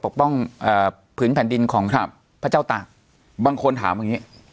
ปกป้องเอ่อผืนแผ่นดินของครับพระเจ้าตากบางคนถามแบบนี้